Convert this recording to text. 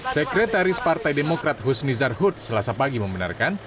sekretaris partai demokrat husnizar hood selasa pagi membenarkan